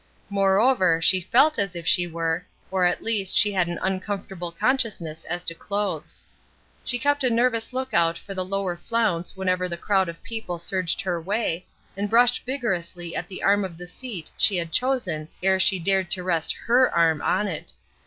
Moreover, she felt as if she were, or at least she had an uncomfortable consciousness as to clothes. She kept a nervous lookout for the lower flounce whenever the crowd of people surged her way, and brushed vigorously at the arm of the seat she had chosen ere she dared to rest her arm on it.